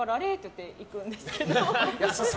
って行くんですけど。